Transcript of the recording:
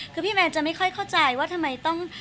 คือพี่แมนจะไม่ค่อยเข้าใจว่าทำไมต้อง